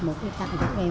một cái tặng cho các em